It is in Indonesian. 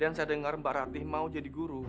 dan saya dengar mbak ratih mau jadi guru